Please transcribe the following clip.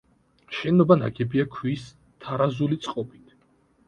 შენობა ნაგებია ქვის თარაზული წყობით.